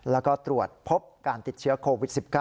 แล้วก็ตรวจพบการติดเชื้อโควิด๑๙